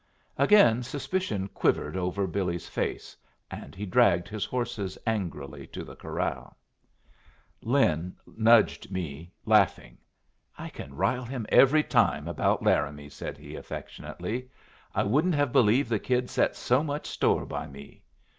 Again suspicion quivered over Billy's face, and he dragged his horses angrily to the corral. Lin nudged me, laughing. "I can rile him every time about Laramie," said he, affectionately. "I wouldn't have believed the kid set so much store by me.